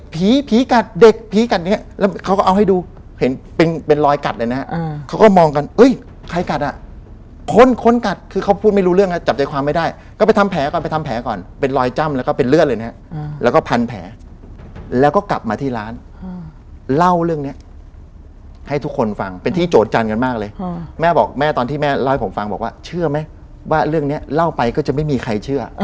ทีนี้เขาก็บอกว่าบ้านที่บอมอยู่เนี่ย